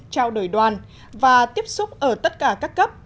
trao đổi đoàn và tiếp xúc ở tất cả các cấp